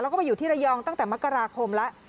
แล้วก็มาอยู่ที่ระยองตั้งแต่มกราคมแล้ว